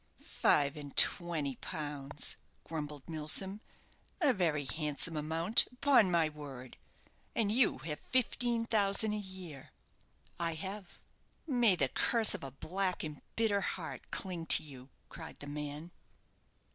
"Five and twenty pounds!" grumbled Milsom; "a very handsome amount, upon my word! And you have fifteen thousand a year!" "I have." "May the curse of a black and bitter heart cling to you!" cried the man.